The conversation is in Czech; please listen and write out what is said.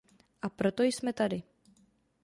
A proto jsme tady.